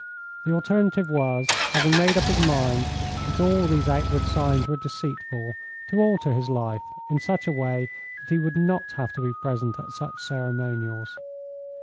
The alternative was, having made up his mind that all these outward signs were deceitful, to alter his life in such a way that he would not have to be present at such ceremonials.